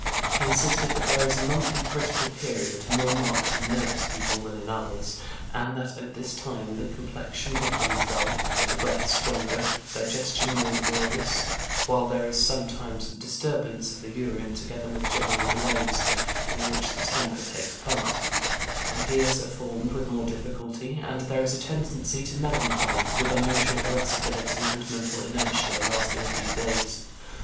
He insisted that there is a monthly critical period, more marked in nervous people than in others, and that at this time the complexion becomes dull, the breath stronger, digestion more laborious, while there is sometimes disturbance of the urine, together with general malaise, in which the temper takes part; ideas are formed with more difficulty, and there is a tendency to melancholy, with unusual irascibility and mental inertia, lasting a few days.